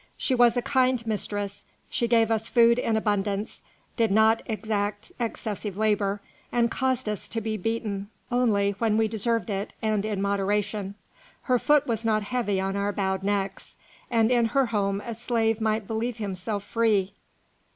She was a kind mistress; she gave us food in abundance, did not exact excessive labour, and caused us to be beaten only when we deserved it and in moderation. Her foot was not heavy on our bowed necks, and in her home a slave might believe himself free."